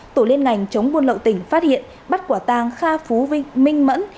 tổ liên ngành chống buôn lậu tỉnh phát hiện bắt quả tang kha phú vinh minh mẫn